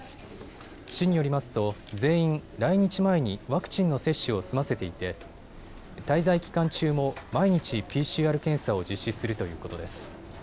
市によりますと全員、来日前にワクチンの接種を済ませていて滞在期間中も毎日ＰＣＲ検査を実施するということです。